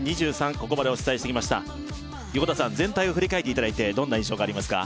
ここまでお伝えしてきました横田さん全体を振り返っていただいてどんな印象がありますか？